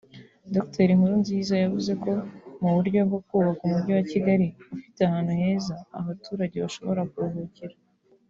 Dr Nkurunziza yavuze ko mu buryo bwo kubaka Umujyi wa Kigali ufite ahantu heza abaturage bashobora kuruhukira